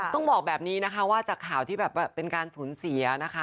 ต้องบอกแบบนี้นะคะว่าจากข่าวที่แบบเป็นการสูญเสียนะคะ